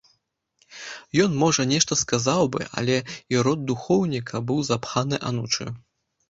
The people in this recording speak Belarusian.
Ён, можа, нешта сказаў бы, але і рот духоўніка быў запханы анучаю.